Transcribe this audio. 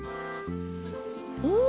うん！